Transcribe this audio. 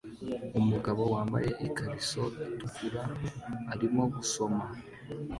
Umugabo wambaye ikariso itukura arimo gusoma